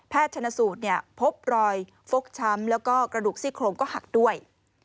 แพทย์ชนสูตรพบรอยฟกช้ำและกระดูกซี่โครมก็หักด้วย